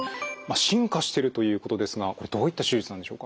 進化してるということですがこれどういった手術なんでしょうか？